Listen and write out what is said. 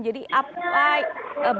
jadi bagaimana sebenarnya publik